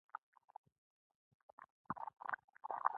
کرکټ بورډ کې ګډوډي خطرناکه ده.